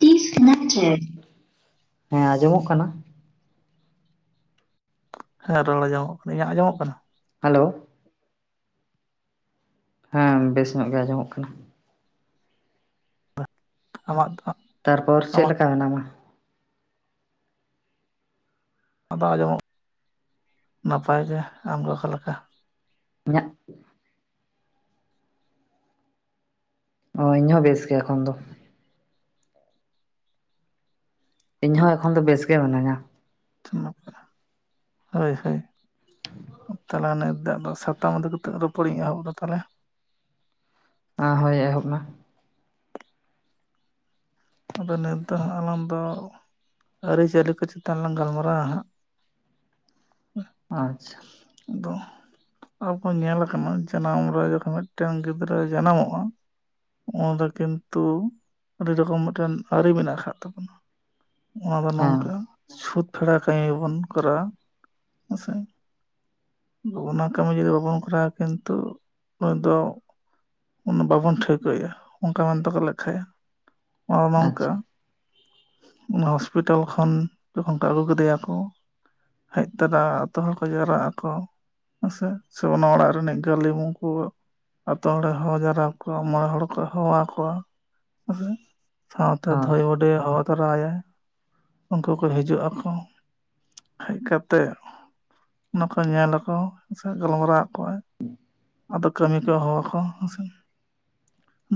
[unintelligible] ᱦᱮᱸ ᱟᱸᱡᱚᱢᱚᱜ ᱠᱟᱱᱟ᱾ ᱦᱮᱸ ᱨᱚᱲ ᱟᱸᱡᱚᱜ ᱠᱟᱱᱟ ᱤᱧᱟᱹᱜ ᱟᱸᱡᱚᱢᱚᱜ ᱠᱟᱱᱟ? ᱦᱮᱞᱳ, ᱦᱮᱸ ᱵᱮᱥ ᱧᱚᱜ ᱜᱮ ᱟᱸᱡᱚᱢᱚᱜ ᱠᱟᱱᱟ᱾ ᱟᱢᱟᱜ ᱫᱚ? ᱛᱟᱨᱯᱚᱨ ᱪᱮᱫ ᱟᱢᱟᱜ ᱞᱮᱠᱟ ᱢᱮᱱᱟᱢᱟ? ᱟᱫᱚ ᱟᱸᱡᱚᱢᱚᱜ ᱱᱟᱯᱟᱭ ᱜᱮ ᱟᱢ ᱜᱮ ᱚᱠᱟ ᱞᱮᱠᱟ? ᱤᱧᱟᱜ, ᱚ ᱤᱧ ᱦᱚᱸ ᱵᱮᱥ ᱜᱮ ᱮᱠᱷᱚᱱ ᱫᱚ᱾ ᱤᱧ ᱦᱚᱸ ᱟᱪᱪᱷᱟ ᱮᱠᱷᱚᱱ ᱫᱚ ᱵᱮᱥ ᱜᱮ ᱢᱤᱱᱟᱹᱧᱟ᱾ [unintelligible] ᱦᱳᱭ ᱦᱳᱭ ᱫᱮᱞᱟ ᱱᱤᱛ ᱫᱚ ᱟᱫᱚ ᱥᱟᱛᱟᱢ ᱤᱫᱤ ᱠᱟᱛᱮᱜ ᱨᱚᱯᱚᱲᱤᱧ ᱮᱦᱚᱵ ᱮᱫᱟ ᱛᱟᱞᱮ, ᱟᱸ ᱦᱳᱭ ᱮᱦᱚᱵ ᱢᱮ᱾ ᱟᱫᱚ ᱱᱤᱛ ᱫᱚ ᱦᱟᱸᱜ ᱟᱞᱟᱝ ᱫᱚ ᱟᱹᱨᱤᱪᱟᱹᱞᱤ ᱠᱚ ᱪᱮᱛᱟᱱ ᱞᱟᱝ ᱜᱟᱞᱢᱟᱨᱟᱣᱟ ᱦᱟᱸᱜ᱾ [inaudible] ᱟᱪᱪᱷᱟ, ᱫᱚ ᱟᱵᱚ ᱧᱮᱞ ᱟᱠᱟᱱᱟ ᱡᱟᱱᱟᱢ ᱨᱮ ᱡᱚᱠᱷᱚᱱ ᱢᱤᱫᱴᱮᱱ ᱜᱤᱫᱽᱨᱟᱹᱭ ᱡᱟᱱᱟᱢᱚᱜᱼᱟ, ᱩᱱ ᱨᱮ ᱠᱤᱱᱛᱩ ᱟᱹᱰᱤ ᱨᱚᱠᱚᱢ ᱢᱤᱫᱴᱮᱱ ᱟᱹᱨᱤ ᱢᱮᱱᱟᱜ ᱟᱠᱟᱫ ᱛᱟᱵᱚᱱᱟ ᱚᱱᱟ ᱫᱚ ᱦᱮᱸ ᱱᱚᱝᱠᱟ ᱪᱷᱩᱛ ᱯᱷᱮᱲᱟᱣ ᱠᱟᱹᱢᱤ ᱵᱚᱱ ᱠᱚᱨᱟᱣᱟ ᱦᱳᱭ ᱥᱮ, ᱚᱱᱟ ᱠᱟᱹᱢᱤ ᱡᱩᱫᱤ ᱵᱟᱵᱚᱱ ᱠᱚᱨᱟᱣᱟ ᱠᱤᱱᱛᱩ ᱱᱩᱭ ᱫᱚ, ᱩᱱ ᱵᱟᱵᱚᱱ ᱴᱷᱟᱹᱣᱠᱟᱹᱭᱮᱜ-ᱟ ᱚᱱᱠᱟ ᱢᱮᱱ ᱛᱮᱠᱚ ᱞᱮᱠᱷᱟᱱᱭᱟ ᱚᱱᱟ ᱫᱚ ᱱᱚᱝᱠᱟ ᱟᱪᱪᱷᱟ ᱚᱱᱟ ᱦᱚᱸᱥᱯᱤᱴᱟᱞ ᱠᱷᱚᱱ ᱡᱚᱠᱷᱚᱱ ᱠᱚ ᱟᱹᱜᱩ ᱠᱮᱫᱮᱭᱟᱠᱚ ᱦᱮᱡ ᱛᱚᱨᱟ ᱟᱛᱳ ᱦᱚᱲ ᱠᱚ ᱡᱟᱣᱨᱟᱜ ᱟᱠᱚ ᱦᱮᱸᱥᱮ ᱥᱮ ᱚᱱᱟ ᱚᱲᱟᱜ ᱨᱤᱱᱤᱡ ᱜᱟᱹᱞᱤᱢ ᱠᱚ ᱟᱛᱳ ᱦᱚᱲᱮ ᱦᱚᱦᱚ ᱡᱟᱣᱨᱟ ᱠᱚᱣᱟ ᱢᱚᱬᱮ ᱦᱚᱲ ᱠᱚ ᱦᱚᱦᱚᱣᱟ ᱠᱚᱣᱟ ᱦᱮᱸ ᱥᱟᱶᱛᱮ ᱦᱳᱭ ᱫᱷᱟᱹᱭ ᱵᱩᱰᱷᱤᱭ ᱦᱚᱦᱚ ᱛᱟᱨᱟᱦᱟᱭᱟ ᱩᱱᱠᱩ ᱠᱚ ᱦᱤᱡᱩᱜ ᱟᱠᱚ, ᱦᱮᱡ ᱠᱟᱛᱮᱜ ᱚᱱᱟ ᱠᱚ ᱧᱮᱞ ᱟᱠᱚ ᱥᱮ ᱜᱟᱞᱢᱟᱨᱟᱣ ᱟᱠᱚᱣᱟᱭ, [unintelligible] ᱟᱫᱚ ᱠᱟᱹᱢᱤ ᱠᱚ ᱦᱚᱦᱚᱣᱟ ᱠᱚ ᱦᱮᱸ ᱥᱮ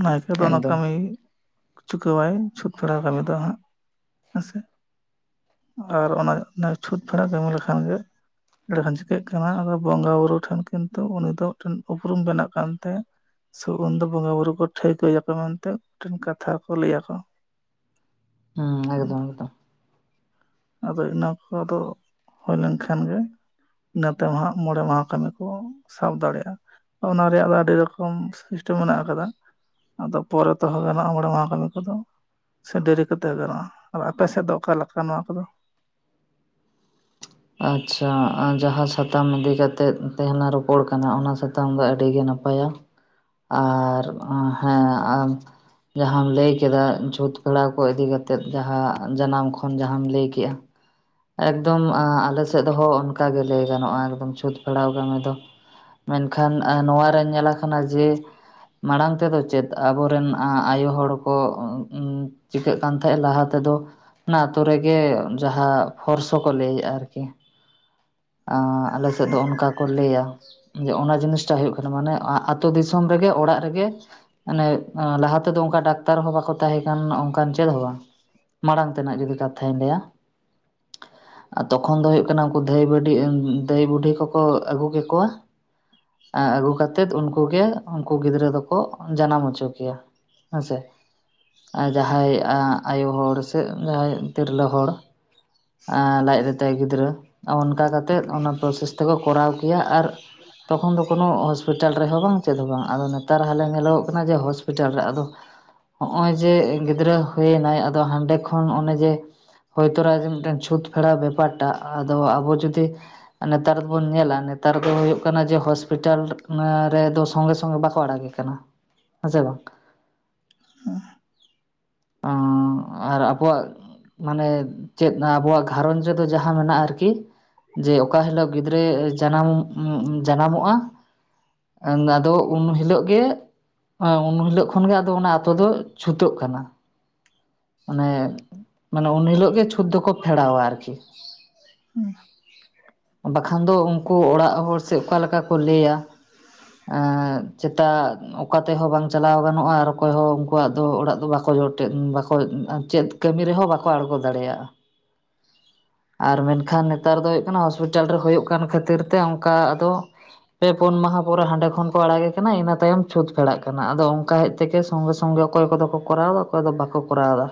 ᱱᱟᱭᱠᱮ ᱫᱚ ᱚᱱᱟ ᱮᱠᱫᱚᱢ ᱠᱟᱹᱢᱤ ᱪᱩᱠᱟᱹᱣᱟᱭ ᱪᱷᱩᱸᱛ ᱯᱷᱮᱲᱟᱣ ᱠᱟᱹᱢᱤ ᱫᱚ ᱦᱟᱸᱜ ᱦᱮᱸ ᱥᱮ᱾ ᱟᱨ ᱚᱱᱟ ᱱᱟ ᱪᱷᱩᱸᱛ ᱯᱷᱮᱲᱟ ᱠᱟᱹᱢᱤ ᱞᱮᱠᱷᱟᱱ ᱜᱮ ᱮᱰᱮ ᱠᱷᱟᱱ ᱪᱤᱠᱟᱹᱜ ᱠᱟᱱᱟ ᱟᱫᱚ ᱵᱚᱸᱜᱟᱼ ᱵᱩᱨᱩ ᱴᱷᱮᱱ ᱠᱤᱱᱛᱩ ᱩᱱᱤ ᱫᱚ ᱢᱤᱫᱴᱮᱱ ᱩᱯᱨᱩᱢ ᱵᱮᱱᱟᱜ ᱠᱟᱱ ᱛᱟᱭᱟ ᱥᱮ ᱩᱱᱫᱚ ᱵᱚᱸᱜᱟᱼᱵᱩᱨᱩ ᱠᱚ ᱴᱷᱟᱹᱣᱠᱟᱹᱭᱟ ᱠᱚ ᱢᱮᱱᱛᱮ ᱢᱤᱫᱴᱮᱱ ᱠᱟᱛᱷᱟ ᱠᱚ ᱞᱟᱹᱭᱟ ᱠᱚ ᱦᱩᱸ ᱮᱠᱫᱚᱢ ᱮᱠᱫᱚᱢ᱾ ᱟᱫᱚ ᱤᱱᱟᱹ ᱠᱚᱫᱚ ᱦᱩᱭ ᱞᱮᱱ ᱠᱷᱟᱱ ᱜᱮ, ᱱᱚᱛᱮ ᱦᱟᱸᱜ ᱢᱚᱬᱮ ᱢᱟᱦᱟ ᱠᱟᱹᱢᱤ ᱠᱚ ᱥᱟᱵ ᱫᱟᱲᱮᱭᱟᱜᱼᱟ ᱚᱱᱟ ᱨᱮᱭᱟᱜ ᱫᱚ ᱟᱹᱰᱤ ᱨᱚᱠᱚᱢ ᱥᱤᱥᱴᱮᱢ ᱢᱮᱱᱟᱜ ᱟᱠᱟᱫᱟ ᱟᱫᱚ ᱯᱚᱨᱮ ᱛᱮᱦᱚᱸ ᱜᱟᱱᱚᱜᱼᱟ [unintelligible] ᱠᱟᱹᱢᱤ ᱠᱚᱫᱚ ᱥᱮ ᱰᱮᱨᱤ ᱠᱟᱛᱮ ᱜᱟᱨᱚᱜᱼᱟ ᱟᱨ ᱟᱯᱮ ᱥᱮᱫ ᱫᱚ ᱚᱠᱟ ᱞᱮᱠᱟ ᱱᱚᱣᱟ ᱠᱚᱫᱚ ᱟᱪᱪᱷᱟ ᱟᱨ ᱡᱟᱦᱟᱸ ᱥᱟᱛᱟᱢ ᱤᱫᱤ ᱠᱟᱛᱮᱫ ᱛᱟᱦᱮᱧ ᱞᱟᱝ ᱨᱚᱯᱚᱲ ᱠᱟᱱᱟ ᱚᱱᱟ ᱥᱟᱛᱟᱢ ᱫᱚ ᱟᱹᱰᱤ ᱜᱮ ᱱᱟᱯᱟᱭ ᱱᱟᱯᱟᱭᱟ ᱟᱨ ᱦᱮᱸ ᱟᱨ ᱡᱟᱦᱟᱸᱟᱢ ᱞᱟᱹᱭ ᱠᱮᱫᱟ ᱡᱷᱩᱛ ᱯᱷᱮᱲᱟ ᱠᱚ ᱤᱫᱤ ᱠᱟᱛᱮᱫ ᱡᱟᱦᱟᱸ ᱡᱟᱱᱟᱢ ᱠᱷᱚᱱ ᱡᱟᱦᱟᱸᱢ ᱞᱟᱹᱭ ᱠᱮᱜᱼᱟ ᱮᱠᱫᱚᱢ ᱟᱞᱮ ᱥᱮᱫ ᱦᱚ ᱚᱱᱠᱟᱟᱜᱮ ᱞᱟᱹᱭ ᱜᱟᱱᱚᱜᱼᱟ ᱮᱠᱫᱚᱢ ᱪᱷᱩᱛ ᱯᱷᱲᱟᱣ ᱠᱟᱹᱢᱤ ᱫᱚ ᱢᱮᱱᱠᱷᱟᱱ ᱟᱨ ᱱᱚᱣᱟᱨᱮ ᱧᱮᱞᱟ ᱟᱠᱟᱱᱟ ᱡᱮ ᱢᱟᱲᱟᱝ ᱛᱮᱫᱚ ᱪᱮᱫ ᱟᱵᱚᱨᱮᱱ ᱟᱭᱳ ᱦᱚᱲ ᱠᱚ ᱩᱸ ᱪᱤᱠᱟᱹᱜ ᱠᱟᱱ ᱛᱟᱦᱮᱸ ᱞᱟᱦᱟ ᱛᱮᱫᱚ ᱚᱱᱟ ᱟᱛᱳ ᱨᱮᱜᱮ ᱡᱟᱦᱟᱸ ᱯᱷᱚᱨᱥᱚ ᱠᱚ ᱞᱟᱹᱭᱮᱫᱼᱟ ᱟᱨ [unintelligible] ᱟᱞᱮ ᱥᱮᱫ ᱫᱚ ᱚᱱᱠᱟ ᱠᱚ ᱞᱟᱹᱭᱟ ᱡᱮ ᱚᱱᱟ ᱡᱤᱱᱤᱥᱴᱟ ᱦᱩᱭᱩᱜ ᱠᱟᱱᱟ ᱢᱟᱱᱮ ᱟᱹᱛᱩᱳ ᱫᱤᱥᱚᱢ ᱨᱮᱜᱮ ᱚᱲᱟᱜ ᱨᱮᱜᱮ ᱟᱱᱮ ᱞᱟᱦᱟ ᱛᱮᱫᱚ ᱚᱱᱠᱟ ᱰᱟᱠᱛᱟᱨ ᱦᱚᱸ ᱵᱟᱠᱚ ᱛᱟᱦᱮᱸᱠ ᱚᱱᱠᱟᱱ ᱪᱮᱫ ᱦᱚᱸ ᱵᱟᱝ ᱢᱟᱲᱟᱝ ᱛᱮᱱᱟᱜ ᱡᱩᱫᱤ ᱠᱟᱛᱷᱟᱧ ᱞᱟᱹᱭᱟ ᱟᱨ ᱛᱚᱠᱷᱚᱱ ᱫᱚ ᱦᱩᱭᱩᱜ ᱠᱟᱱᱟ ᱩᱱᱠᱩ ᱫᱷᱟᱹᱭ ᱵᱟᱹ ᱫᱷᱟᱹᱟᱹᱭ ᱵᱩᱰᱷᱤ ᱠᱚᱠᱚ ᱟᱹᱜᱩ ᱠᱚᱣᱟ ᱟᱹᱜᱩ ᱠᱟᱛᱮᱫ ᱩᱱᱠᱩ ᱜᱮ ᱩᱱᱠᱩ ᱜᱤᱫᱽᱨᱟᱹ ᱫᱚᱠᱚ ᱡᱟᱱᱟᱢ ᱦᱚᱪᱚ ᱠᱮᱭᱟ ᱦᱮᱸᱥᱮ ᱡᱟᱦᱟᱸᱭ ᱟᱭᱳ ᱦᱚᱲ ᱥᱮ ᱡᱟᱦᱟᱸᱭ ᱛᱤᱨᱞᱟᱹ ᱦᱚᱲ ᱞᱟᱡᱨᱮᱛᱮ ᱜᱤᱫᱽᱨᱟᱹ ᱚᱱᱠᱟ ᱠᱟᱛᱮᱜ ᱚᱱᱟ ᱯᱨᱚᱥᱮᱥ ᱛᱮᱠᱚ ᱠᱚᱨᱟᱣ ᱠᱮᱭᱟ ᱟᱨ ᱛᱚᱠᱷᱚᱱ ᱫᱚ ᱠᱳᱱᱳ ᱦᱚᱥᱯᱤᱴᱟᱞ ᱨᱮᱦᱚᱸ ᱵᱟᱝ ᱪᱮᱫ ᱦᱚᱸ ᱵᱟᱝ ᱟᱫᱚ ᱱᱮᱛᱟᱨ ᱦᱟᱞᱮ ᱧᱮᱞᱚᱜᱚᱜ ᱠᱟᱱᱟ ᱡᱮ ᱦᱚᱥᱯᱤᱴᱟᱞ ᱨᱮ ᱟᱫᱚ ᱦᱚᱜ ᱚᱭ ᱡᱮ ᱜᱤᱫᱽᱨᱟᱹ ᱦᱩᱭᱱᱟᱭ ᱟᱫᱚ ᱦᱟᱸᱰᱮ ᱠᱷᱚᱱ ᱚᱱᱚᱱᱮ ᱡᱮ ᱦᱚᱳᱭ ᱛᱚᱨᱟ ᱡᱮ ᱢᱤᱫᱴᱮᱱ ᱪᱷᱩᱸᱛ ᱯᱷᱮᱨᱟᱣ ᱵᱮᱯᱟᱨᱴᱟᱜ ᱟᱫᱚ ᱟᱵᱚ ᱡᱩᱫᱤ ᱱᱮᱛᱟᱨ ᱫᱚᱵᱚᱱ ᱧᱮᱞᱟ ᱱᱮᱛᱟᱨ ᱫᱚ ᱦᱩᱭᱩᱜ ᱠᱟᱱᱟ ᱡᱮ ᱦᱚᱥᱯᱤᱴᱟᱞ ᱨᱮᱫᱚ ᱥᱚᱸᱜᱮ ᱥᱚᱸᱜᱮ ᱵᱟᱠᱚ ᱟᱲᱟᱜ [unintelligible] [unintelligible] ᱠᱟᱱᱟ ᱦᱮᱸ ᱥᱮ ᱵᱟᱝ [unintelligible] ᱟᱨ ᱟᱵᱚᱣᱟᱜ ᱢᱟᱱᱮ ᱪᱮᱫ ᱟᱵᱚᱣᱟᱜ ᱜᱷᱟᱨᱚᱸᱡᱽ ᱨᱮᱫᱚ ᱡᱟᱦᱟᱸ ᱢᱮᱱᱟᱜᱼᱟ ᱟᱨᱠᱤ ᱡᱮ ᱚᱠᱟ ᱦᱤᱞᱳᱜ ᱜᱤᱫᱽᱨᱟᱹ ᱡᱟᱱᱟᱢ [unintelligible] ᱡᱟᱱᱟᱢᱚᱜᱼᱟ ᱟᱫᱚ ᱩᱱ ᱦᱤᱞᱳᱜ ᱜᱮ ᱩᱱ ᱦᱤᱞᱳᱜ ᱠᱷᱚᱱᱜᱮ ᱟᱫᱚ ᱚᱱᱟ ᱟᱛᱳ ᱫᱚ ᱪᱷᱩᱛᱟᱹᱜ ᱠᱟᱱᱟ ᱢᱟᱱᱮ ᱢᱟᱱᱮ ᱩᱱ ᱦᱤᱞᱚᱜ ᱜᱮ ᱪᱷᱩᱸᱛ ᱫᱚᱠᱚ ᱯᱷᱮᱲᱟᱣᱟ ᱟᱨᱠᱤ [unintelligible] ᱵᱟᱠᱷᱟᱱ ᱫᱚ ᱩᱱᱠᱩ ᱚᱲᱟᱜ ᱦᱚᱲ ᱥᱮ ᱚᱠᱟ ᱞᱮᱠᱟ ᱠᱚ ᱞᱟᱹᱭᱟ [unintelligible] ᱪᱮᱛᱟᱜ ᱚᱠᱟ ᱛᱮᱦᱚᱸ ᱵᱟᱝ ᱪᱟᱞᱟᱣ ᱜᱟᱱᱚᱜᱼᱟ ᱟᱨ ᱚᱠᱚᱭ ᱦᱚᱸ ᱩᱱᱠᱩᱣᱟᱜ ᱫᱚ ᱚᱲᱟᱜ ᱫᱚ ᱵᱟᱠᱚ [unintelligible] [unintelligible] ᱵᱟᱠᱚ ᱪᱮᱫ ᱠᱟᱹᱢᱤ ᱨᱮᱦᱚᱸ ᱵᱟᱠᱚ ᱟᱬᱜᱚ ᱫᱟᱲᱮᱭᱟᱜᱼᱟ ᱟᱨ ᱢᱮᱱᱠᱷᱟᱱ ᱱᱮᱛᱟᱨ ᱫᱚ ᱦᱩᱭᱩᱜ ᱠᱟᱱᱟ ᱦᱚᱥᱯᱤᱴᱟᱞ ᱨᱮ ᱦᱚᱭᱳᱜ ᱠᱟᱱ ᱠᱷᱟᱹᱛᱤᱨ ᱛᱮ ᱚᱱᱠᱟ ᱟᱫᱚ ᱯᱮ ᱯᱩᱱ ᱢᱟᱦᱟ ᱯᱚᱨᱮ ᱦᱟᱸᱰᱮ ᱠᱷᱚᱱ ᱠᱚ ᱟᱲᱟᱜᱮ ᱠᱟᱱᱟ ᱤᱱᱟᱹ ᱛᱟᱭᱚᱢ ᱪᱷᱩᱸᱛ ᱯᱷᱲᱟᱜ ᱠᱟᱱᱟ ᱟᱫᱚ ᱚᱱᱠᱟ ᱦᱮᱡ [unintelligible] ᱥᱚᱸᱜᱮ ᱥᱚᱸᱜᱮ ᱚᱠᱚᱭ ᱠᱚᱫᱚ ᱠᱚᱨᱟᱣ ᱚᱠᱚᱭ ᱫᱚ ᱵᱟᱠᱚ [unintelligible] ᱠᱚᱨᱟᱣ ᱮᱫᱟ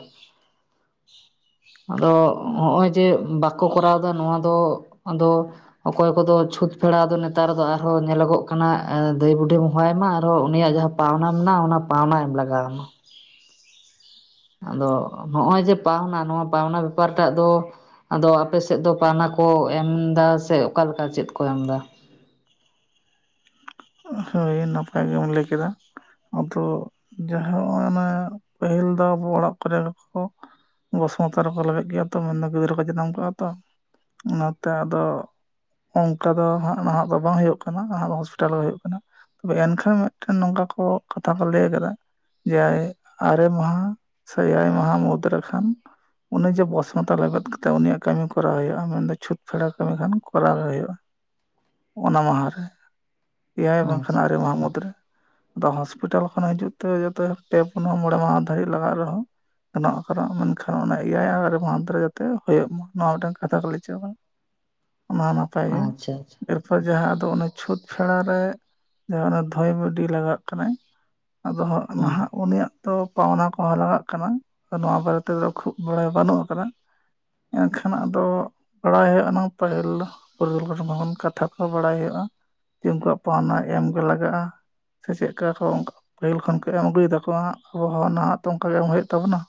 ᱟᱫᱚ ᱦᱚᱸᱜᱼᱚᱭ ᱵᱟᱠᱚ ᱠᱚᱨᱟᱣ ᱮᱫᱟ ᱱᱚᱣᱟ ᱫᱚ ᱟᱫᱚ ᱚᱠᱚᱭ ᱠᱚᱫᱚ ᱪᱷᱩᱸᱛ ᱯᱷᱮᱲᱟ ᱫᱚ ᱱᱮᱛᱟᱨ ᱫᱚ ᱟᱨᱦᱚᱸ ᱧᱮᱞᱚᱜᱚᱜ ᱠᱟᱱᱟ ᱫᱟᱹᱭ ᱵᱩᱰᱷᱤᱦᱤ ᱦᱚᱦᱚᱭᱟ ᱢᱟ ᱟᱨᱦᱚᱸ ᱩᱱᱤᱭᱟᱜ ᱡᱟᱦᱟᱸ [unintelligible] ᱯᱟᱣᱱᱟ ᱢᱮᱱᱟᱜᱼᱟ, ᱚᱱᱟ ᱯᱟᱣᱱᱟ ᱮᱢ ᱞᱟᱜᱟᱜᱼᱟ᱾ [inaudible] ᱟᱫᱚ ᱱᱚᱜᱼᱚᱭ ᱡᱮ ᱯᱟᱣᱱᱟ ᱱᱚᱣᱟ ᱯᱟᱣᱱᱟ ᱵᱮᱯᱟᱨ ᱴᱟᱜ ᱫᱚ ᱟᱫᱚ ᱟᱯᱮ ᱥᱮᱫ ᱫᱚ ᱯᱟᱣᱟᱱᱟ ᱠᱚ ᱮᱢ ᱮᱫᱟ ᱥᱮ ᱚᱠᱟᱮᱠᱟ ᱪᱮᱫ ᱠᱚ ᱮᱢ ᱫᱟ? ᱦᱳᱭ ᱱᱟᱯᱟᱭ ᱜᱮᱢ ᱞᱟᱹᱭ ᱠᱮᱫᱟ᱾ ᱟᱫᱚ ᱡᱟᱦᱟᱸ ᱚᱱᱮ ᱯᱟᱹᱦᱤᱞ ᱫᱚ ᱟᱵᱚ ᱚᱲᱟᱜ ᱠᱚᱨᱮ ᱜᱮᱠᱚ ᱵᱚᱥᱢᱚᱛᱚ ᱨᱮᱠᱚ ᱞᱟᱵᱮᱫ ᱜᱮᱭᱟ ᱛᱚ, ᱢᱮᱱᱫᱚ ᱜᱤᱫᱽᱨᱟᱹ ᱠᱚ ᱡᱟᱱᱟᱢ ᱠᱟᱜᱼᱟ ᱛᱚ, ᱚᱱᱟᱛᱮ ᱟᱫᱚ ᱚᱱᱠᱟ ᱫᱚ ᱦᱟᱸᱜ ᱱᱟᱦᱟᱜ ᱫᱚ ᱵᱟᱝ ᱦᱩᱭᱩᱜ ᱠᱟᱱᱟ ᱱᱟᱦᱟᱜ ᱛᱟᱦᱚᱞᱮ ᱦᱩᱭᱩᱜ ᱠᱟᱱᱟ ᱛᱚᱵᱮ ᱮᱱᱠᱷᱟᱱ ᱢᱤᱫᱴ ᱱᱚᱝᱠᱟ ᱠᱚ ᱠᱟᱛᱷᱟ ᱠᱚ ᱞᱟᱹᱭ ᱠᱟᱫᱟ ᱮᱭᱟᱭ ᱟᱨᱮ ᱢᱟᱦᱟ ᱥᱮ ᱮᱭᱟᱭ ᱢᱟᱦᱟ ᱢᱩᱫᱽ ᱨᱮᱠᱷᱟᱱ ᱚᱱᱮ ᱡᱮ ᱵᱚᱥᱢᱚᱛᱟ ᱞᱮᱵᱮᱫ ᱠᱟᱛᱮ ᱩᱱᱤᱭᱟᱜ ᱠᱟᱹᱢᱤ ᱠᱚᱨᱟᱣ ᱦᱩᱭᱩᱜᱼᱟ ᱢᱮᱱᱫᱚ ᱪᱷᱩᱛ ᱯᱷᱮᱲᱟ ᱠᱟᱹᱢᱤ ᱠᱷᱟᱱ ᱠᱚᱨᱟᱣ ᱜᱮ ᱦᱩᱭᱩᱜᱼᱟ ᱚᱱᱟ ᱢᱟᱦᱟ ᱨᱮ ᱮᱭᱟᱭ ᱵᱟᱝ ᱠᱷᱟᱱ ᱟᱪᱪᱷᱟ ᱟᱨᱮ ᱢᱟᱦᱟ ᱢᱩᱫᱽᱨᱮ ᱛᱚ ᱦᱚᱥᱯᱤᱴᱟᱞ ᱠᱷᱚᱱ ᱦᱤᱡᱩᱜ ᱛᱮ ᱡᱮ ᱯᱩᱱ ᱢᱚᱬᱮ ᱢᱟᱦᱟ ᱫᱷᱟᱹᱨᱵᱤᱡ ᱞᱟᱜᱟᱜ ᱨᱮᱦᱚᱸ ᱜᱟᱱᱚᱜ ᱚᱱᱠᱟᱱᱟᱜ ᱢᱮᱱᱠᱷᱟᱱ ᱚᱱᱟ ᱮᱭᱟᱭ [inaudible] ᱨᱮ ᱡᱟᱛᱮ ᱦᱩᱭᱩᱜ ᱢᱟ ᱱᱚᱣᱟ ᱢᱤᱫᱴᱮᱱ ᱠᱟᱛᱷᱟ ᱠᱚ ᱞᱟᱹᱭ ᱦᱚᱪᱚ ᱠᱟᱫᱟ᱾ ᱚᱱᱟ ᱦᱚᱸ ᱱᱟᱯᱟᱭ ᱜᱮ, ᱟᱪᱪᱷᱟ ᱟᱪᱪᱷᱟ ᱮᱨᱯᱚᱨ ᱡᱟᱦᱟᱸ ᱟᱫᱚ ᱚᱱᱮ ᱪᱷᱩᱸᱛ ᱯᱷᱮᱲᱟ ᱨᱮ ᱡᱟᱦᱟᱸ ᱫᱷᱟᱹᱭ ᱵᱩᱰᱷᱤ ᱞᱟᱜᱟᱜ ᱠᱟᱱᱟᱭ ᱟᱫᱚ ᱦᱟᱸᱜ ᱦᱩᱸ ᱱᱟᱦᱟᱜ ᱩᱱᱤᱭᱟᱜ ᱛᱚ ᱯᱟᱣᱱᱟ ᱠᱚᱦᱚᱸ ᱞᱟᱜᱟᱜ ᱠᱟᱱᱟ, ᱱᱚᱣᱟ ᱵᱟᱨᱮ ᱛᱮᱫᱚ ᱠᱷᱩᱵ ᱵᱟᱲᱟᱭ ᱵᱟᱹᱱᱩᱜ ᱟᱠᱟᱫᱟ᱾ ᱮᱱᱠᱷᱟᱱ ᱟᱫᱚ ᱵᱟᱲᱟᱭ ᱦᱩᱭᱩᱜᱼᱟ ᱚᱱᱟ ᱯᱟᱹᱦᱤᱞ ᱯᱩᱨᱩᱫᱷᱩᱞ ᱠᱷᱚᱱ ᱠᱟᱛᱷᱟ ᱠᱚ ᱵᱟᱲᱟᱭ ᱦᱩᱭᱩᱜᱼᱟ ᱡᱮ ᱩᱱᱠᱩᱣᱟᱜ ᱯᱟᱣᱱᱟ ᱮᱢᱜᱮ ᱞᱟᱜᱟᱜᱼᱟ, ᱥᱮ ᱪᱮᱫ ᱞᱮᱠᱟ ᱠᱚ ᱚᱱᱠᱟ ᱯᱟᱹᱦᱤᱞ ᱠᱷᱚᱱ ᱠᱟᱹᱡ ᱮᱢ ᱟᱹᱜᱩᱭᱮᱫᱟᱠᱚ ᱦᱜ ᱟᱵᱚᱦᱚᱸ ᱱᱟᱦᱟᱜ ᱛᱚ ᱚᱱᱠᱟ ᱜᱮ ᱮᱢ ᱦᱩᱭᱩᱜ ᱛᱟᱵᱚᱱᱟ᱾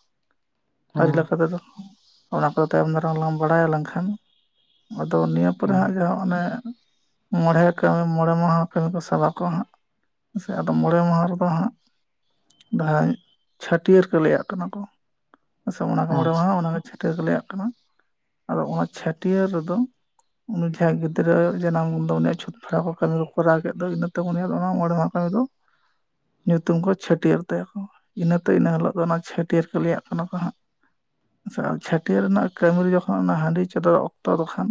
ᱟᱹᱨᱤ ᱦᱮᱸ ᱞᱮᱠᱟ ᱛᱮᱫᱚ ᱚᱱᱟ ᱠᱚᱫᱚ ᱛᱟᱭᱚᱢ ᱫᱟᱨᱟᱢᱞᱟᱟᱝ ᱵᱟᱲᱟᱭ ᱞᱮᱱᱠᱷᱟᱱ ᱟᱫᱚ ᱱᱤᱭᱟᱹ ᱯᱚᱨᱮ ᱦᱮᱸ ᱦᱟᱸᱜ ᱡᱟᱦᱟᱸ ᱚᱱᱮ ᱢᱚᱬᱮ ᱢᱚᱬᱮ ᱢᱟᱦᱟ ᱠᱟᱹᱢᱤ ᱠᱚ ᱥᱟᱵᱟ ᱠᱚ ᱦᱟᱸᱜ, ᱥᱮ ᱟᱫᱚ ᱢᱚᱬᱮ ᱢᱟᱦᱟ ᱨᱮᱫᱚ ᱦᱟᱸᱜ ᱡᱟᱦᱟᱸ ᱪᱷᱟᱹᱴᱭᱟᱹᱨ ᱠᱚ ᱞᱟᱹᱭᱟᱜ ᱠᱟᱱᱟ ᱠᱚ, ᱟᱸ ᱥᱮ ᱚᱱᱟ ᱠᱚ ᱢᱚᱬᱮ ᱟᱪᱪᱷᱟ ᱢᱟ ᱦᱟᱸᱜ ᱚᱱᱟ ᱪᱷᱟᱹᱴᱟᱹᱣ ᱞᱮᱭᱟᱜ ᱠᱟᱱᱟ, ᱟᱫᱚ ᱚᱱᱟ ᱪᱷᱟᱹᱴᱭᱟᱹᱨ ᱨᱮᱫᱚ ᱩᱱᱤ ᱡᱟᱦᱟᱸᱭ ᱜᱤᱫᱽᱨᱟᱹ ᱡᱟᱱᱟᱢ ᱫᱚ ᱩᱱᱤᱭᱟᱜ ᱪᱷᱩᱫ ᱛᱯᱷᱮᱲᱟᱣ ᱠᱚ ᱠᱟᱹᱢᱤ ᱠᱚ ᱠᱚᱨᱟᱣ ᱠᱮᱫ ᱫᱚ ᱤᱱᱟᱹ ᱛᱮ ᱱᱤᱭᱟᱹ ᱚᱱᱟ ᱢᱚᱬᱮ ᱢᱟᱦᱟ ᱠᱟᱹᱢᱤ ᱫᱚ ᱧᱩᱛᱩᱢ ᱠᱚ ᱪᱷᱟᱹᱴᱭᱟᱹᱨ ᱛᱟᱭᱟ ᱠᱚ᱾ ᱤᱱᱟᱹᱛᱮ ᱤᱱᱟᱹ ᱦᱤᱞᱳᱜ ᱫᱚ ᱚᱱᱟ ᱪᱷᱟᱹᱴᱭᱟᱹᱨ ᱠᱟᱹᱞᱤᱭᱟᱜ ᱠᱟᱱᱟ ᱠᱚ ᱦᱟᱸᱜ᱾ ᱟᱪᱷᱟ ᱪᱷᱟᱹᱴᱭᱟᱹᱨ ᱨᱮᱱᱟᱜ ᱠᱟᱹᱢᱤ ᱨᱮ ᱡᱚᱠᱷᱚᱱ ᱚᱱᱟ ᱦᱟᱺᱰᱤ ᱪᱚᱫᱚᱨ ᱚᱠᱛᱚ ᱫᱚ ᱠᱷᱚᱱ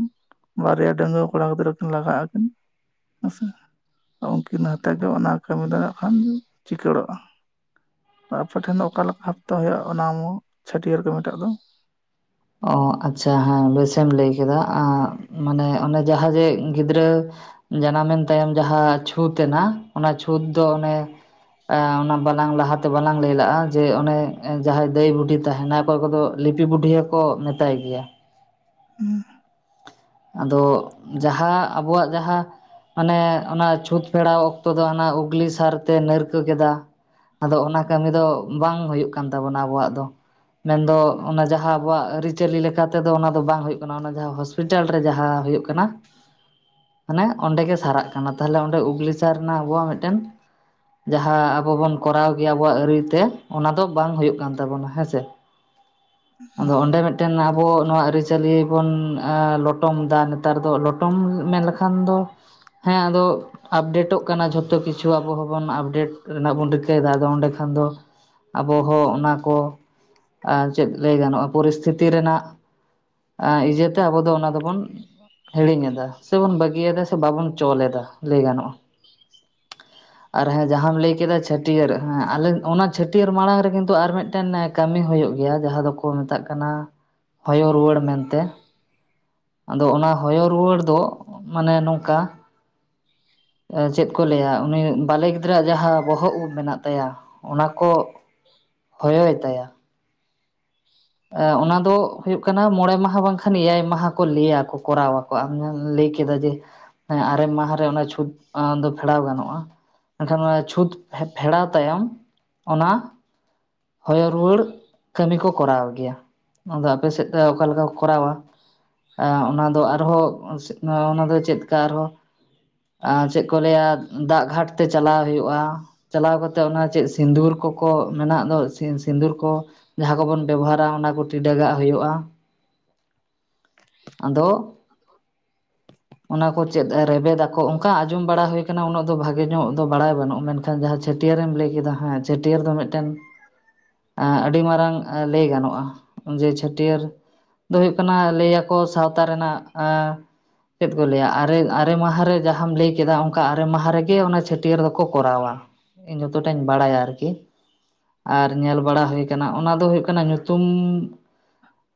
ᱵᱟᱨᱭᱟ ᱰᱺᱜᱣᱟᱹ ᱠᱚᱲᱟ ᱜᱤᱫᱽᱨᱟᱹ ᱠᱤᱱ ᱞᱟᱜᱟᱜ ᱟᱠᱤᱱ᱾ ᱦᱮᱸᱥᱮ ᱩᱱᱠᱤᱱ ᱦᱟᱛᱮ ᱜᱮ ᱚᱱᱟ ᱠᱟᱹᱢᱤ ᱫᱟᱲᱮᱭᱟᱜ ᱠᱷᱟᱱ ᱫᱚ ᱪᱤᱠᱟᱹᱲᱚᱜᱼᱟ᱾ ᱟᱯᱮ ᱴᱷᱮᱱ ᱫᱚ ᱚᱠᱟ ᱞᱮᱠᱟ ᱵᱷᱟᱯᱛᱮ ᱦᱩᱭᱩᱜᱼᱟ ᱚᱱᱟ ᱢᱟ ᱪᱷᱟᱹᱴᱭᱟᱹᱨ ᱜᱮ ᱢᱮᱴᱟᱜ ᱫᱚ? ᱚ ᱟᱪᱪᱷᱟ ᱦᱮᱸ ᱵᱮᱥᱮᱢ ᱞᱟᱹᱭ ᱠᱮᱫᱟ, ᱚ ᱢᱟᱱᱮ ᱚᱱᱮ ᱡᱟᱦᱟᱸ ᱡᱮ ᱜᱤᱫᱽᱨᱟᱹ ᱡᱟᱱᱟᱢᱮᱱ ᱛᱟᱭᱚᱢ ᱡᱟᱦᱟᱸ ᱪᱷᱩᱸᱛ ᱮᱱᱟ, ᱚᱱᱟ ᱪᱷᱩᱸᱛ ᱫᱚ ᱚᱱᱮ ᱟ ᱵᱟᱞᱟᱝ ᱞᱟᱦᱟᱛᱮ ᱵᱟᱞᱟᱝ ᱞᱟᱹᱭ ᱞᱟᱜᱼᱟ ᱡᱮ ᱚᱱᱮ ᱡᱟᱦᱟᱸᱭ ᱫᱟᱹᱭ ᱵᱩᱰᱷᱤ ᱛᱟᱦᱮᱱᱟ, ᱚᱠᱚᱭ ᱠᱚᱫᱚ ᱞᱤᱯᱤ ᱵᱩᱰᱷᱤ ᱠᱚ ᱢᱮᱛᱟᱭ ᱜᱮᱭᱟ᱾ ᱦᱩᱸ᱾ ᱟᱫᱚ ᱡᱟᱦᱟᱸ ᱟᱵᱚᱣᱟᱜ ᱡᱟᱦᱟᱸ ᱢᱟᱱᱮ ᱚᱱᱟ ᱪᱷᱩᱸᱛ ᱯᱷᱮᱨᱟᱣ ᱚᱠᱛᱚ ᱫᱚ ᱦᱟᱱᱟ ᱩᱜᱽᱞᱤ ᱥᱟᱨᱛᱮ ᱱᱟᱹᱨ ᱠᱚ ᱠᱮᱫᱟ, ᱟᱫᱚ ᱚᱱᱟ ᱠᱟᱹᱢᱤ ᱫᱚ ᱵᱟᱝ ᱦᱩᱭᱩᱜ ᱠᱟᱱ ᱛᱟᱵᱚᱱᱟ ᱟᱵᱚᱣᱟᱜ ᱫᱚ᱾ ᱢᱮᱱᱫᱚ ᱚᱱᱟ ᱡᱟᱦᱟᱸ ᱟᱵᱚᱣᱟᱜ ᱟᱹᱨᱤᱪᱟᱹᱞᱤ ᱞᱮᱠᱟ ᱛᱮᱫᱚ ᱚᱱᱟ ᱫᱚ ᱵᱟᱝ ᱦᱩᱭᱩᱜ ᱠᱟᱱᱟ, ᱚᱱᱟ ᱡᱟᱦᱟᱸ ᱦᱚᱸᱥᱯᱤ ᱞᱤᱴᱟᱞ ᱨᱮ ᱡᱟᱦᱟᱸ ᱦᱩᱭᱩᱜ ᱠᱟᱱᱟ ᱚᱱᱟ ᱚᱸᱰᱮ ᱜᱮ ᱥᱟᱨᱟᱜ ᱠᱟᱱᱟ, ᱛᱟᱦᱚᱞᱮ ᱚᱸᱰᱮ ᱩᱜᱞᱤ ᱥᱟᱹᱨ ᱨᱮᱱᱟᱜ ᱟᱵᱚᱣᱟᱜ ᱢᱤᱫᱴᱮᱱ ᱡᱟᱦᱟᱸ ᱟᱵᱚ ᱵᱚᱱ ᱠᱚᱨᱟᱣ ᱠᱮᱭᱟ ᱟᱵᱚᱣᱟᱜ ᱟᱹᱨᱤ ᱛᱮ ᱚᱱᱟ ᱫᱚ ᱵᱟᱝ ᱦᱩᱭᱩᱜ ᱠᱟᱱ ᱛᱟᱵᱚᱱᱟ ᱦᱮᱸᱥᱮ᱾ [unintelligible] ᱟᱫᱚ ᱚᱸᱰᱮ ᱢᱤᱫᱴᱮᱱ ᱟᱵᱚ ᱱᱚᱣᱟ ᱟᱹᱨᱤᱪᱟᱹᱞᱤ ᱵᱚᱱ ᱞᱚᱴᱚᱢ ᱫᱟᱜ ᱱᱮᱛᱟᱨ ᱫᱚ ᱞᱚᱴᱚᱢ ᱢᱮᱱ ᱞᱮᱠᱷᱟᱱ ᱫᱚ, ᱦᱮᱸ ᱟᱫᱚ ᱟᱯᱰᱮᱴᱚᱜ ᱠᱟᱱᱟ ᱡᱷᱚᱛᱚ ᱠᱤᱪᱷᱩ ᱟᱵᱚ ᱦᱚᱸᱵᱚᱱ ᱟᱯᱰᱮᱴ ᱨᱮᱱᱟᱜ ᱵᱚᱱ ᱨᱤᱠᱟᱹᱭᱮᱫᱟ, ᱟᱫᱚ ᱚᱸᱰᱮ ᱠᱷᱟᱱ ᱫᱚ ᱟᱵᱚᱦ ᱦᱚᱸ ᱚᱱᱟ ᱠᱚ ᱟᱸ ᱪᱮᱫ ᱞᱟᱹᱭ ᱜᱟᱱᱚᱜᱼᱟ, ᱯᱚᱨᱤᱥᱛᱷᱤᱛᱤ ᱨᱮᱱᱟᱜ ᱤᱭᱟᱹᱛᱮ ᱟᱵᱚ ᱫᱚ ᱚᱱᱟ ᱫᱚᱵᱚᱱ ᱦᱤᱲᱤᱧ ᱮᱫᱟ ᱥᱮᱵᱚᱱ ᱵᱟᱹᱜᱤᱭᱟᱮᱫᱫᱟ ᱥᱮ ᱵᱟᱵᱚᱱ ᱪᱚᱞ ᱮᱫᱟ ᱞᱟᱹᱭ ᱜᱟᱱᱚᱜᱼᱟ। [unintelligible] ᱟᱨ ᱦᱮᱸ ᱡᱟᱦᱟᱸᱟᱢ ᱞᱟᱹᱭ ᱠᱮᱫᱟ ᱪᱷᱟᱹᱴᱭᱟᱹᱨ ᱦᱮᱸ ᱟᱞᱮ ᱚᱱᱟ ᱪᱷᱟᱹᱴᱭᱟᱹᱨ ᱢᱟᱲᱟᱝ ᱨᱮ ᱠᱤᱱᱛᱩ ᱟᱨ ᱢᱤᱫᱴᱮᱱ। ᱠᱟᱹᱢᱤ ᱦᱩᱭᱩᱜ ᱜᱮᱭᱟ ᱡᱟᱦᱟᱸ ᱫᱚᱠᱚ ᱢᱮᱛᱟᱜ ᱠᱟᱱᱟ ᱦᱚᱭᱚ ᱨᱩᱣᱟᱹᱲ। ᱢᱮᱱᱛᱮ ᱟᱫᱚ ᱚᱱᱟ ᱦᱚᱭᱚ ᱨᱩᱣᱟᱹᱲ ᱫᱚ ᱢᱟᱱᱮ ᱱᱚᱝᱠᱟ। ᱪᱮᱫ ᱠᱚ ᱞᱟᱹᱭᱟ ᱩᱱᱤ ᱵᱟᱞᱮ ᱜᱤᱫᱽᱨᱟᱹᱣᱟᱜ ᱡᱟᱦᱟᱸ ᱵᱚᱦᱚᱜ ᱩᱵ ᱢᱮᱱᱟᱜ ᱛᱟᱭᱟ। ᱚᱱᱟ ᱠᱚ ᱦᱚᱭᱚᱭ ᱛᱟᱭᱟ। ᱚᱱᱟ ᱫᱚ ᱦᱩᱭᱩᱜ ᱠᱟᱱᱟ ᱢᱚᱬᱮ ᱢᱟᱦᱟ ᱵᱟᱝᱠᱷᱟᱱ ᱮᱭᱟᱭ ᱢᱟᱦᱟ ᱠᱚ ᱞᱟᱹᱭᱟᱠᱚ ᱠᱚᱨᱣᱟᱠᱚ ᱟᱢ ᱞᱟᱹᱭ ᱠᱮᱫᱟ ᱡᱮ। ᱟᱨᱮ ᱢᱟᱦᱟ ᱨᱮ ᱚᱱᱟ ᱪᱷᱩᱸᱛ। ᱫᱚ ᱯᱷᱮᱨᱟᱣ ᱜᱟᱱᱚᱜᱼᱟ ᱢᱮᱱᱠᱷᱟᱱ ᱚᱱᱟ ᱪᱷᱩᱸᱛ ᱯᱷᱮᱲᱟᱣ ᱛᱟᱭᱚᱢ ᱚᱱᱟ। ᱦᱚᱭᱚ ᱨᱩᱣᱟᱹᱲ ᱠᱟᱹᱢᱤ ᱠᱚ ᱠᱚᱨᱟᱣ ᱜᱮᱭᱟ ᱟᱫᱚ ᱟᱯᱮ ᱥᱮᱫ ᱫᱚ ᱚᱠᱟ ᱞᱮᱠᱟ। ᱠᱚᱨᱟᱣᱟ ᱮ ᱚᱱᱟ ᱫᱚ ᱟᱨᱦᱚᱸ ᱚᱱᱟ ᱫᱚ ᱪᱮᱫ ᱞᱮᱠᱟ ᱟᱨᱦᱚᱸ। ᱟ ᱪᱮᱫ ᱠᱚ ᱞᱟᱹᱭᱟ ᱫᱟᱜ ᱜᱷᱟᱴ ᱛᱮ ᱪᱟᱞᱟᱣ ᱦᱩᱭᱩᱜᱼᱟ। ᱪᱟᱞᱟᱣ ᱠᱟᱛᱮᱜ ᱚᱱᱟ ᱪᱮᱫ ᱥᱤᱸᱫᱩᱨ ᱠᱚᱠᱚ ᱢᱮᱱᱟᱜ ᱫᱚ। ᱥᱤᱸᱫᱩᱨ ᱠᱚ ᱡᱟᱦᱟᱸ ᱠᱚᱵᱚᱱ ᱵᱮᱵᱚᱦᱟᱨᱟ ᱚᱱᱟ ᱠᱚ ᱴᱤᱰᱟᱹᱜᱟᱜ ᱦᱩᱭᱩᱜᱼᱟ। ᱟᱫᱚ ᱚᱱᱟ ᱠᱚ ᱪᱮᱫ ᱨᱮᱵᱮᱫᱟᱠᱚ ᱚᱝᱠᱟ ᱚᱱᱟ ᱠᱚ ᱪᱮᱫ ᱨᱮᱵᱮᱫᱟᱠᱚ ᱚᱝᱞᱞᱠᱟ ᱟᱸᱡᱚᱢ ᱵᱟᱲᱟ ᱦᱩᱭ ᱠᱟᱱᱟ ᱩᱱᱟᱹᱜ ᱫᱚ ᱵᱷᱟᱜᱮ ᱧᱚᱜ ᱫᱚ ᱵᱟᱲᱟᱭ ᱵᱟᱹᱱᱩᱜ ᱢᱮᱱᱠᱷᱟᱱ ᱟᱢ ᱡᱟᱦᱟᱸ ᱪᱷᱟᱹᱴᱤᱭᱟ. ᱨᱮᱢ ᱞᱟᱹᱭ ᱠᱮᱫᱟ ᱦᱮᱸ ᱪᱷᱟᱹᱴᱭᱟᱹᱨ ᱫᱚ ᱢᱤᱫᱴᱮᱱ। ᱮ ᱟᱹᱰᱤ ᱢᱟᱨᱟᱝ ᱞᱟᱹᱭ ᱜᱟᱱᱚᱜᱼᱟ ᱡᱮ ᱪᱷᱟᱹᱴᱭᱟᱹᱨ। ᱫᱚ ᱦᱩᱭᱩᱜ ᱠᱟᱱᱟ ᱞᱟᱹᱭᱟᱠᱚ ᱥᱟᱶᱛᱟ ᱨᱮᱱᱟᱜ ᱮ ᱪᱮᱫ ᱠᱚ ᱞᱟᱹᱭᱟ ᱟᱨᱮ ᱟᱨᱮ ᱢᱟᱦᱟ ᱨᱮ ᱡᱟᱦᱟᱸᱢ ᱞᱟᱹᱭ ᱠᱮᱫᱟ ᱚᱱᱠᱟ ᱟᱨᱮ ᱢᱟᱦᱟ ᱨᱮᱜᱮ ᱚᱱᱟ ᱪᱷᱟᱹᱴᱭᱟᱹᱨ ᱫᱚᱠᱚ ᱠᱚᱨᱟᱣᱟ। ᱤᱧ ᱡᱚᱛᱚᱴᱟᱧ ᱵᱟᱲᱟᱭᱟ ᱟᱨᱠᱤ। ᱟᱨ ᱧᱮᱞ ᱵᱟᱲᱟ ᱦᱩᱭ ᱟᱠᱟᱱᱟ ᱚᱱᱟ ᱫᱚ ᱦᱩᱭᱩᱜ ᱠᱟᱱᱟ ᱧᱩᱛᱩᱢ।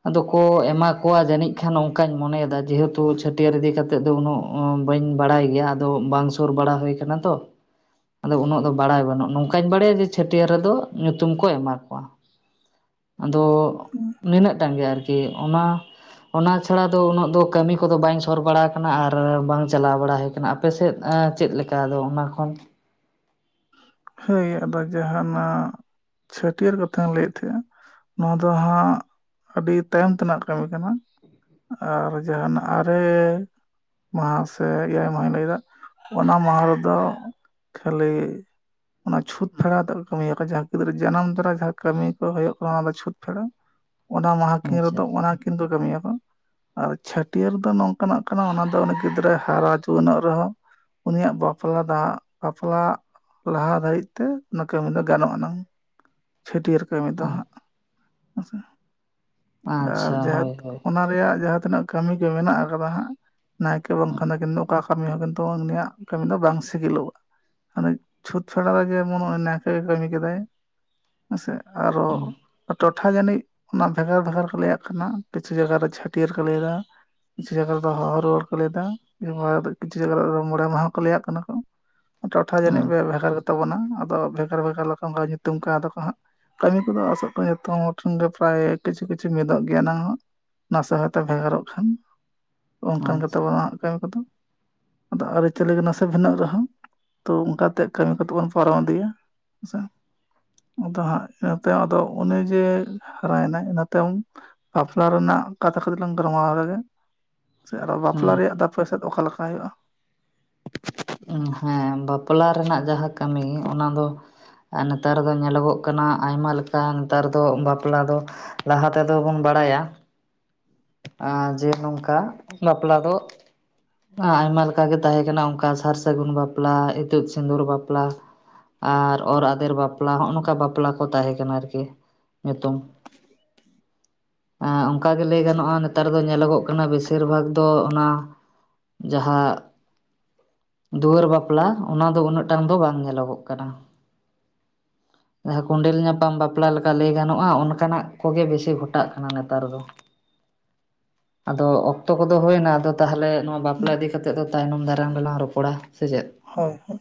ᱟᱫᱚ ᱠᱚ ᱮᱢᱟ ᱠᱚᱣᱟ ᱡᱟᱹᱱᱤᱡ ᱠᱷᱟᱱ ᱚᱱᱠᱟᱧ ᱢᱚᱱᱮᱭᱮᱫᱟ ᱡᱮᱦᱮᱛᱩ ᱪᱷᱟᱹᱴᱭᱟᱹᱨ ᱤᱫᱤ ᱠᱟᱛᱮ ᱛᱮᱫ ᱫᱚ ᱩᱱᱟᱹᱜ ᱵᱟᱹᱧ ᱵᱟᱲᱟᱭ ᱜᱮᱭᱟ ᱟᱫᱚ ᱵᱟᱝ ᱥᱩᱨ ᱵᱟᱲᱟ ᱦᱩᱭ ᱠᱟᱱᱟ ᱛᱚ। ᱟᱫᱚ ᱩᱱᱟᱹᱜ ᱫᱚ ᱵᱟᱲᱟᱭ ᱵᱟᱹᱱᱩᱜᱼᱟ ᱱᱚᱝᱠᱟᱧ ᱵᱟᱲᱟᱭᱟ ᱡᱮ ᱪᱷᱟᱹᱴᱭᱟᱹᱨ ᱨᱮᱫᱚ। ᱧᱩᱛᱩᱢ ᱠᱚ ᱮᱢᱟ ᱠᱚᱣᱟ ᱟᱫᱚ। ᱩ ᱱᱤᱱᱟᱹᱜ ᱴᱟᱝ ᱜᱮ ᱟᱨᱠᱤ ᱚᱱᱟ ᱚᱱᱟ ᱪᱷᱟᱲᱟ ᱫᱚ ᱩᱱᱟᱹᱜ ᱫᱚ ᱠᱟᱹᱢᱤ ᱠᱚᱫᱚ ᱵᱟᱹᱧ ᱥᱚᱨ ᱵᱟᱲᱟ ᱟᱠᱟᱱᱟ ᱟᱨ ᱵᱟᱝ ᱪᱟᱞᱟᱣ ᱵᱟᱲᱟ ᱦᱩᱭ ᱠᱟᱱᱟ। ᱟᱯᱮᱥᱮᱫ ᱪᱮᱫ ᱞᱮᱠᱟ ᱟᱫᱚ ᱚᱱᱟ ᱠᱷᱚᱱ। ᱦᱳᱭ ᱟᱫᱚ ᱡᱟᱦᱟᱸᱱᱟᱜ ᱪᱷᱟᱹᱴᱭᱟᱹᱨ ᱠᱟᱛᱷᱟᱧ ᱞᱟᱹᱭᱮᱫ ᱛᱟᱦᱮᱸᱼᱟ। ᱱᱚᱣᱟ ᱫᱚ ᱦᱟᱸᱜ ᱟᱹᱰᱤ ᱛᱟᱭᱚᱢ ᱛᱮᱱᱟᱜ ᱠᱟᱹᱢᱤ ᱠᱟᱱᱟ। ᱟᱨ ᱡᱟᱦᱱᱟᱜ ᱟᱨᱮ। ᱢᱟᱦᱟ ᱥᱮ ᱮᱭᱟᱭ ᱢᱟᱦᱟᱢ ᱞᱟᱹᱭᱫᱟ ᱚᱱᱟ ᱢᱟᱦᱟ ᱨᱮᱫᱚ ᱠᱷᱟᱹᱞᱤ। ᱚᱱᱟ ᱪᱷᱩᱸᱛ ᱯᱷᱮᱲᱟᱣ ᱛᱮᱫ ᱠᱚ ᱠᱟᱹᱢᱤ ᱭᱟᱠᱚ ᱡᱟᱦᱟᱸ ᱜᱤᱫᱽᱨᱟᱹ ᱡᱟᱱᱟᱢ ᱛᱚᱨᱟ ᱡᱟᱦᱟᱸ ᱠᱟᱹᱢᱤ ᱠᱚ ᱦᱩᱭᱩᱜ ᱠᱟᱱᱟ ᱚᱱᱟ ᱫᱚ ᱪᱷᱤᱛ ᱯᱷᱮᱲᱟᱣ ᱚᱱᱟ ᱢᱟᱦᱟ ᱠᱤᱱ ᱟᱪᱪᱷᱟ ᱨᱮᱫᱚ ᱚᱱᱟ ᱠᱤᱱ ᱫᱚ ᱠᱟᱹᱢᱤ ᱭᱟᱠᱚ ᱟᱨ ᱪᱷᱟᱹᱴᱭᱟᱹᱨ ᱫᱚ ᱱᱚᱝᱠᱟᱱᱟᱜ ᱠᱟᱱᱟ ᱚᱱᱟ ᱫᱚ ᱩᱱᱤ ᱜᱤᱫᱽᱨᱟᱹ ᱦᱟᱨᱟ ᱡᱩᱣᱟᱹᱱᱚᱜ ᱨᱮᱦᱚᱸ ᱩᱱᱤᱭᱟᱜ ᱵᱟᱯᱞᱟ ᱫᱟᱜ ᱵᱟᱯᱞᱟ। ᱞᱟᱦᱟ ᱫᱷᱟᱹᱨᱤᱡ ᱛᱮ ᱚᱱᱟ ᱠᱟᱹᱢᱤ ᱫᱚ ᱜᱟᱱᱚᱜ ᱟᱱᱟᱝ ᱪᱷᱟᱹᱴᱭᱟᱹᱨ ᱠᱟᱹᱢᱤ ᱫᱚ ᱦᱟᱸᱜ। ᱟᱪᱪᱷᱟ ᱟᱨ ᱟᱪᱪᱷᱟ ᱡᱟᱦᱟᱸᱛ ᱦᱳᱭ ᱦᱳᱭ ᱚᱱᱟ ᱨᱮᱭᱟᱜ ᱡᱟᱦᱟᱸ ᱛᱤᱱᱟᱹᱜ ᱠᱟᱹᱢᱤ ᱠᱚ ᱢᱮᱱᱟᱜ ᱟᱠᱟᱫᱟ ᱦᱟᱸᱜ ᱱᱟᱭᱠᱮ ᱵᱟᱝᱠᱷᱟᱱ ᱚᱱᱟᱠᱤᱱ ᱚᱠᱟ। ᱠᱟᱹᱢᱤ ᱦᱚᱸ ᱠᱤᱱᱛᱩ ᱩᱱᱤᱭᱟᱜ ᱠᱟᱹᱢᱤ ᱫᱚ ᱵᱟᱝ ᱥᱤᱜᱤᱞᱚᱜᱼᱟ ᱢᱟᱱᱮ ᱪᱷᱩᱸᱛ ᱪᱷᱟᱰᱟᱣ ᱨᱮ ᱡᱮᱢᱚᱱ ᱦᱚᱜ ᱚᱭ ᱱᱟᱭᱠᱮ ᱜᱮ ᱠᱟᱹᱢᱤ ᱠᱮᱫᱟᱭ ᱦᱮᱸᱥᱮ ᱟᱨᱚ ᱴᱚᱴᱷᱟ ᱡᱟᱹᱱᱤᱡ ᱚᱱᱟ ᱵᱷᱮᱜᱟᱨ ᱵᱷᱮᱜᱟᱨ ᱠᱚ ᱞᱟᱹᱭᱟᱜ ᱠᱟᱱᱟ ᱠᱤᱪᱷᱩ ᱡᱟᱭᱟᱨᱮ ᱪᱷᱟᱹᱴᱭᱟᱹᱨ ᱠᱚ ᱞᱟᱹᱭ ᱫᱟ। ᱡᱮ ᱞᱮᱠᱟ ᱫᱚ ᱦᱚᱦᱚ ᱨᱩᱣᱟᱹᱲ ᱠᱚ ᱞᱟ. ᱭ ᱫᱟ ᱦᱚᱲ ᱫᱚ ᱠᱤᱪᱷᱩ ᱡᱟᱭᱜᱟ ᱨᱮ ᱢᱚᱬᱮ ᱢᱟᱦᱟ ᱠᱚ ᱞᱟᱹᱭᱟᱜ ᱠᱟᱱᱟ ᱠᱚ ᱴᱚᱴᱷᱟ ᱡᱟᱹᱱᱤᱡ ᱵᱮᱵᱷ ᱛᱟᱵᱚᱱᱟ ᱟᱫᱚ ᱵᱷᱮᱜᱟᱨ ᱵᱷᱮᱜᱟᱨ ᱞᱮᱠᱟ ᱚᱱᱠᱟ ᱧᱩᱛᱩᱢ ᱠᱟᱣ ᱫᱟᱠᱚ ᱦᱟᱸᱜ। ᱠᱟᱹᱢᱤ ᱠᱚᱫᱚ ᱟᱥᱚᱜ ᱠᱟᱱᱟ ᱡᱚᱛᱚ ᱦᱚᱲ ᱴᱷᱮᱱ ᱜᱮ ᱯᱨᱟᱭ ᱠᱤᱪᱷᱩ ᱠᱤᱪᱷᱩ ᱢᱤᱫᱚᱜ ᱜᱮᱭᱟ ᱱᱟᱦᱟᱜ ᱱᱟᱥᱮ ᱦᱚᱭᱛᱚ ᱵᱷᱮᱜᱟᱨᱚᱜ ᱠᱷᱟᱱ ᱟᱪᱪᱷᱟ ᱚᱱᱠᱟᱱ ᱜᱮᱛᱟ ᱵᱚᱱᱟ ᱠᱟ. ᱢᱤ ᱠᱚᱫᱚ ᱟᱫᱚ ᱟᱹᱨᱤᱪᱟᱹᱞᱤ ᱠᱚ ᱱᱟᱥᱮ ᱵᱷᱤᱱᱟᱹ ᱨᱮᱦᱚᱸ, ᱛᱚ ᱚᱱᱠᱟᱛᱮ ᱠᱟᱹᱢᱤ ᱠᱚᱛᱮ ᱵᱚᱱ ᱯᱟᱨᱚᱢ ᱤᱫᱤᱭᱟ ᱦᱮᱸ ᱥᱮ᱾ ᱟᱫᱚ ᱦᱟᱸᱜ ᱤᱱᱟᱹ ᱛᱟᱭᱚᱢ ᱟᱫᱚ ᱩᱱᱤ ᱡᱮ ᱦᱟᱨᱟᱭ ᱱᱟᱭ ᱤᱱᱟᱹ ᱛᱟᱭᱚᱢ ᱵᱟᱯᱞᱟ ᱨᱮᱱᱟᱜ ᱠᱟᱛᱷᱟ ᱠᱟᱴᱤᱡ ᱞᱟᱝ ᱜᱟᱞᱢᱟᱨᱟᱣ ᱨᱮᱜᱮ ᱥᱮ ᱟᱨᱚ ᱵᱟᱯᱞᱟ ᱨᱮᱭᱟᱜ ᱫᱚ ᱟᱯᱮ ᱥᱮᱫ ᱚᱠᱟ ᱞᱮᱠᱟ ᱦᱩᱭᱩᱜᱼᱟ ᱦᱚᱸ ᱵᱟᱯᱞᱟ ᱨᱮᱱᱟᱜ ᱡᱟᱦᱟᱸ ᱠᱟᱹᱢᱤ ᱚᱱᱟ ᱫᱚ ᱟᱨ ᱱᱮᱛᱟᱨ ᱫᱚ ᱧᱮᱞᱚᱜᱚᱜ ᱠᱟᱱᱟ ᱟᱭᱢᱟ ᱞᱮᱠᱟ ᱱᱮᱛᱟᱨ ᱫᱚ ᱵᱟᱯᱞᱟ ᱫᱚ ᱞᱟᱦᱟ ᱛᱮᱫᱚ ᱵᱚᱱ ᱵᱟᱲᱟᱭᱟ। ᱮ ᱡᱮ ᱱᱚᱝᱠᱟ ᱵᱟᱯᱞᱟ ᱫᱚ ᱟᱭᱢᱟ ᱞᱮᱠᱟᱜᱮ ᱛᱟᱦᱮᱸ ᱠᱟᱱᱟ ᱚᱱᱠᱟ ᱥᱟᱨ ᱥᱟᱹᱜᱩᱱ ᱵᱟᱯᱞᱟ, ᱤᱛᱩᱫ ᱥᱤᱸᱫᱩᱨ ᱵᱟᱯᱞᱟ ᱟᱨ ᱚᱨ ᱟᱫᱮᱨ ᱵᱟᱯᱞᱟ ᱦᱚᱜ-ᱚ ᱱᱚᱝᱠᱟ ᱵᱟᱯᱞᱟ ᱠᱚ ᱛᱟᱦᱮᱸ ᱠᱟᱱᱟ ᱟᱨᱠᱤ ᱧᱩᱛᱩᱢ᱾ ᱟᱸ ᱚᱱᱠᱟ ᱜᱮ ᱞᱟᱹᱭ ᱜᱟᱱᱚᱜᱼᱟ ᱱᱮᱛᱟᱨ ᱫᱚ ᱧᱮᱞᱚᱜᱚᱜ ᱠᱟᱱᱟᱜ ᱵᱮᱥᱤᱨ ᱵᱷᱟᱜᱽ ᱫᱚ ᱚᱱᱟ ᱡᱟᱦᱟᱸ ᱫᱩᱣᱟᱹᱨ ᱵᱟᱯᱞᱟ ᱚᱱᱟ ᱫᱚ ᱩᱱᱟᱹᱜ ᱴᱟᱱ ᱫᱚ ᱵᱟᱝ ᱧᱮᱞᱚᱜᱚᱜ ᱠᱟᱱᱟ᱾ ᱡᱟᱦᱟ ᱠᱚᱸᱰᱮᱞ ᱧᱟᱯᱟᱢ ᱵᱟᱯᱞᱟ ᱞᱮᱠᱟ ᱞᱟᱹᱭ ᱜᱟᱱᱚᱜᱼᱟ᱾ ᱚᱱᱠᱟᱱᱟᱜ ᱠᱚᱜᱮ ᱵᱮᱥᱤ ᱜᱷᱚᱴᱟᱜ ᱠᱟᱱᱟ ᱱᱮᱛᱟᱨ ᱫᱚ᱾ [unintelligible] ᱟᱫᱚ ᱚᱠᱛᱚ ᱠᱚᱫᱚ ᱦᱩᱭᱱᱟ᱾ ᱟᱫᱚ ᱛᱟᱦᱚᱞᱮ ᱱᱚᱣᱟ ᱵᱟᱯᱞᱟ ᱤᱫᱤ ᱠᱟᱛᱮᱜ ᱫᱚ ᱛᱟᱭᱱᱚᱢ ᱫᱟᱨᱟᱢ ᱨᱮᱞᱟᱝ ᱨᱚᱯᱚᱲᱟ, ᱥᱮ ᱪᱮᱫ? ᱦᱳᱭ ᱦᱳᱭ